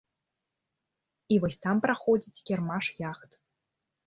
І вось там праходзіць кірмаш яхт.